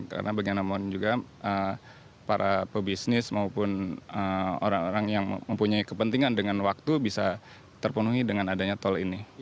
karena bagian namun juga para pebisnis maupun orang orang yang mempunyai kepentingan dengan waktu bisa terpenuhi dengan adanya tol ini